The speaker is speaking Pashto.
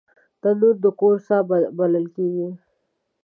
تنور د کور ساه بلل کېږي